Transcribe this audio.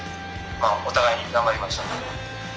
まあお互いに頑張りましょう」。